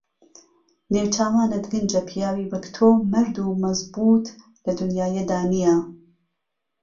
نێوچاوانت گنجه پیاوی وەک تۆ مەرد و مەزبووت له دونیایه دا نییه